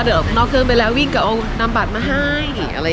เดินออกนอกไปแล้ววิ่งกับเอานำบัตรมาให้